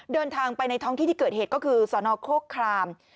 เดินทางไปในท้องที่ที่เกิดเหตุก็คือสนโคคราม